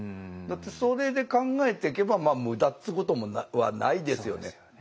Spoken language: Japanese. だってそれで考えていけば無駄っつうことはないですよね。